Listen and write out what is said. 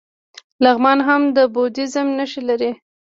لغمان هم د بودیزم نښې لري